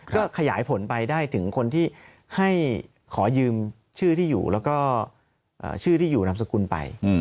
ก็ขยายผลไปได้ถึงคนที่ให้ขอยืมชื่อที่อยู่แล้วก็ชื่อที่อยู่นามสกุลไป